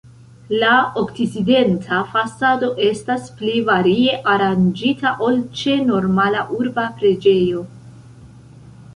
La okcidenta fasado estas pli varie aranĝita ol ĉe normala urba preĝejo.